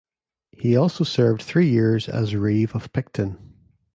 He also served three years as reeve of Picton.